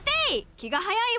気が早いわ。